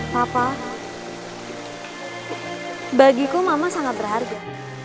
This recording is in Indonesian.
papa bagiku mama sangat berharga